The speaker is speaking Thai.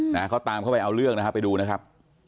นะเขาตามเข้าไปเอาเรื่องนะฮะไปดูนะครับ